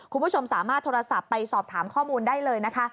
คุณผู้ชมสามารถโทรศัพท์ไปสอบถามข้อมูลได้เลยนะคะ